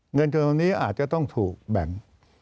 เงินจำนวนนี้อาจจะต้องถูกแบ่ง